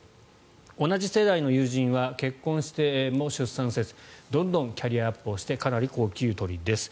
同じ世代の友人は結婚しても出産せずどんどんキャリアアップしてかなり高給取りです。